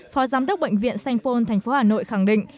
phó giám đốc bệnh viện sanh pôn tp hà nội khẳng định